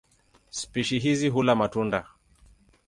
Spishi hizi hula matunda.